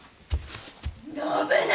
信長！